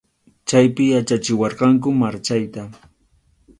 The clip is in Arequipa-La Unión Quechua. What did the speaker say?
Chaypi yachachiwarqanku marchayta.